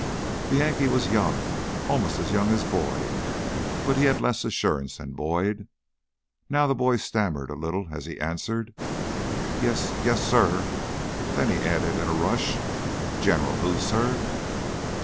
The Yankee was young, almost as young as Boyd, but he had less assurance than Boyd. Now the boy stammered a little as he answered: "Yes ... yes, sir." Then he added in a rush, "General who, sir?"